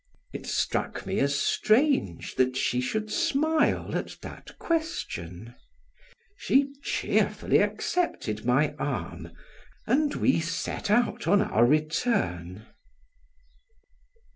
It struck me as strange that she should smile at that question; she cheerfully accepted my arm and we set out on our return.